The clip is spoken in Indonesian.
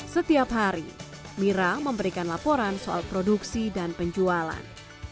setiap hari mira memberikan laporan soal produksi dan penjualan